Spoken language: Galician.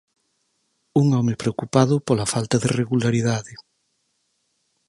Un home preocupado pola falta de regularidade.